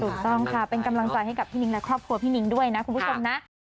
ถูกต้องค่ะเป็นกำลังใจให้กับพี่นิ้งและครอบครัวพี่นิ้งด้วยนะคุณผู้ชมนะ